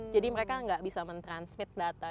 jadi mereka enggak bisa men transmit data